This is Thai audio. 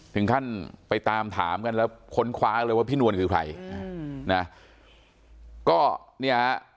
ถึงขั้นไปตามถามกันแล้วค้นคว้าเลยว่าพี่นวลคือใครนะก็เนี่ยฮะ